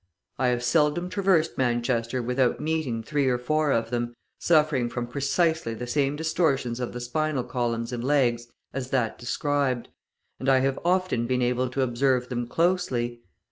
I have seldom traversed Manchester without meeting three or four of them, suffering from precisely the same distortions of the spinal columns and legs as that described, and I have often been able to observe them closely.